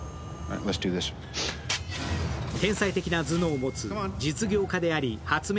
天才的な頭脳を持つ実業家であり発明